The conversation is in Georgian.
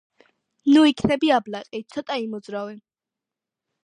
ნუ იქნები აბლაყი, ცოტა იმოძრავე.